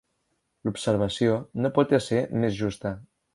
L'observació no pot ésser més justa